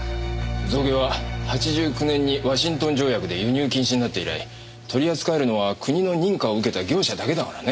象牙は８９年にワシントン条約で輸入禁止になって以来取り扱えるのは国の認可を受けた業者だけだからね。